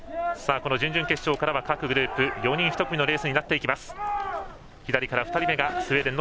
準々決勝からは各グループ４人１組のレースになっていきます。